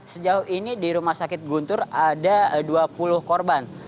sejauh ini di rumah sakit guntur ada dua puluh korban